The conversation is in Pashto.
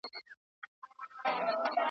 دا لا څه چي ټول دروغ وي ټول ریا وي .